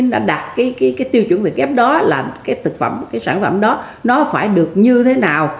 đã đạt cái tiêu chuẩn việt gap đó là cái sản phẩm đó nó phải được như thế nào